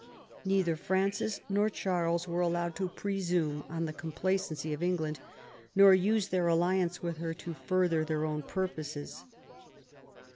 Neither Francis nor Charles were allowed to presume on the complacency of England, nor use their alliance with her to further their own purposes.